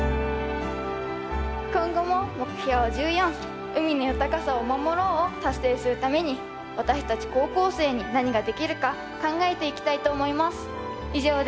今後も目標１４「海の豊かさを守ろう」を達成するために私たち高校生に何ができるか考えていきたいと思います。